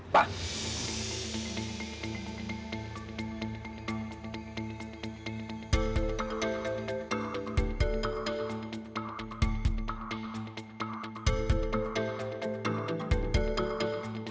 ไป